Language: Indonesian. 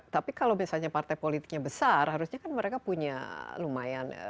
tapi kalau misalnya partai politiknya besar harusnya kan mereka punya lumayan